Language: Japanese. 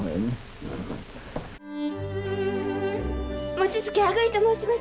望月あぐりと申します。